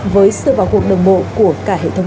với sự vào cuộc đồng bộ của cả hệ thống